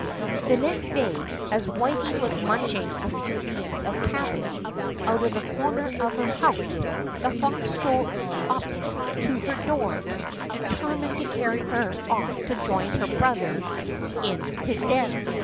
The next day, as Whity was munching a few leaves of cabbage out of the corner of her house, the fox stole up to her door, determined to carry her off to join her brother in his den.